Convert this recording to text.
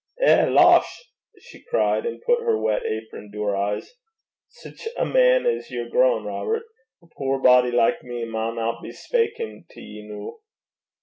'Eh losh!' she cried, and put her wet apron to her eyes. 'Sic a man as ye're grown, Robert! A puir body like me maunna be speykin to ye noo.'